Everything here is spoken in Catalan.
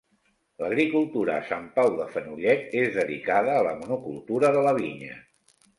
L'agricultura a Sant Pau de Fenollet és dedicada a la monocultura de la vinya.